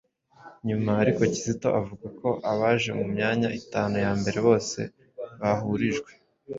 Nyuma ariko Kizito avuga ko abaje mu myanya itanu ya mbere bose bahurijwe